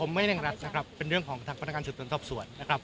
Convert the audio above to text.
ไม่เร่งรัดนะครับเป็นเรื่องของทางพนักการสืบสวนสอบสวนนะครับ